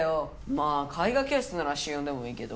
まぁ絵画教室なら週４でもいいけど。